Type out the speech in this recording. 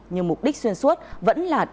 nhưng mục đích xuyên suốt vẫn là độc lợi